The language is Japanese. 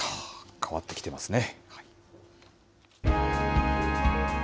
変わってきてますね。